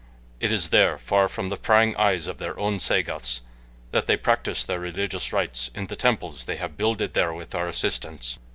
It is there, far from the prying eyes of their own Sagoths, that they practice their religious rites in the temples they have builded there with our assistance.